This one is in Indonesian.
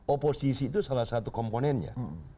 oposisi itu salah satu komponennya